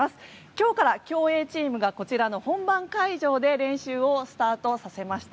今日から競泳チームがこちらの本番会場で練習をスタートさせました。